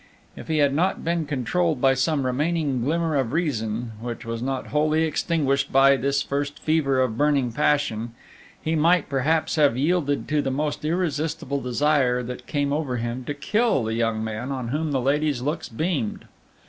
If he had not been controlled by some remaining glimmer of reason, which was not wholly extinguished by this first fever of burning passion, he might perhaps have yielded to the most irresistible desire that came over him to kill the young man on whom the lady's looks beamed.